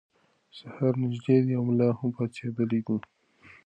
سهار نږدې دی او ملا هم پاڅېدلی دی.